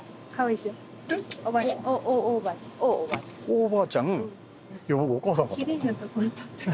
大おばあちゃん。